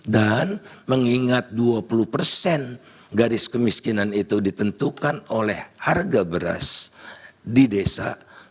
mengingat dua puluh persen garis kemiskinan itu ditentukan oleh harga beras di desa